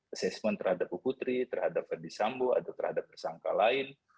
assessment terhadap bu putri terhadap ferdis sambo atau terhadap tersangka lain